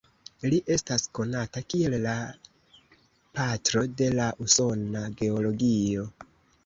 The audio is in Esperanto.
Li estas konata kiel la 'patro de la usona geologio'.